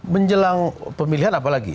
menjelang pemilihan apa lagi